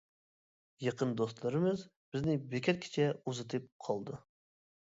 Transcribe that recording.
يېقىن دوستلىرىمىز بىزنى بېكەتكىچە ئۇزىتىپ قالدى.